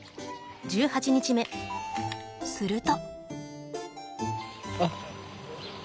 すると。